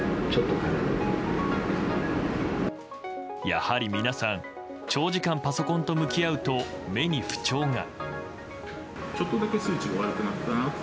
やはり、皆さん長時間パソコンと向き合うと目に不調が。